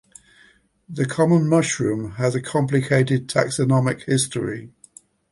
The common mushroom has a complicated taxonomic history.